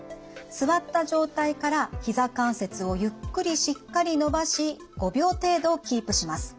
座った状態からひざ関節をゆっくりしっかり伸ばし５秒程度キープします。